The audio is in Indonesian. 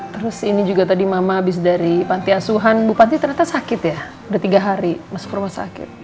terus ini juga tadi mama habis dari panti asuhan bupati ternyata sakit ya udah tiga hari masuk rumah sakit